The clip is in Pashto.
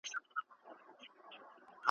له مخلوق څخه ګوښه تر ښار دباندي `